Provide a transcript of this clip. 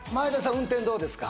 運転どうですか？